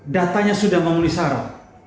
datanya sudah memenuhi syarat